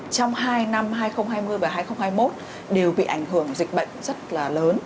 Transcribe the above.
trong hai năm hai nghìn hai mươi và hai nghìn hai mươi một đều bị ảnh hưởng dịch bệnh rất là lớn